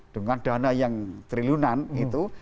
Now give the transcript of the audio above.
dengan dana yang triliunan gitu